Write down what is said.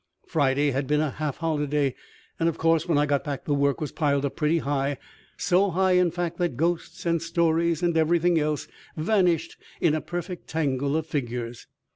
Friday had been a half holiday, and of course when I got back the work was piled up pretty high; so high, in fact, that ghosts and stories and everything else vanished in a perfect tangle of figures.